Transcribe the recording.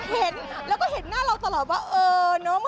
เห็นแล้วก็เห็นหน้าเราตลอดว่าเออเนอะ